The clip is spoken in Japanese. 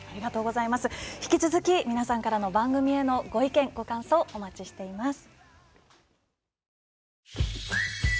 引き続き、皆さんからの番組からのご意見ご感想をお待ちしております。